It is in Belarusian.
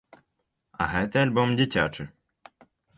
А гэты альбом дзіцячы.